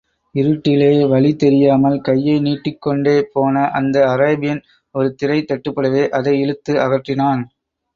இருட்டிலே வழி தெரியாமல் கையைநீட்டிக் கொண்டேபோன அந்த அராபியன் ஒரு திரை தட்டுப்படவே அதை இழுத்து அகற்றினான்.